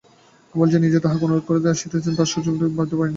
গোপাল যে নিজেই তাহাকে অনুরোধ করিতে আসিতে পারবে শশী এটা ভাবিতে পারে নাই।